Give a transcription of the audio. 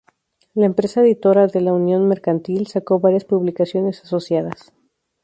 La empresa editora de "La Unión Mercantil" sacó varias publicaciones asociadas.